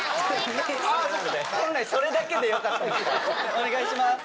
お願いします。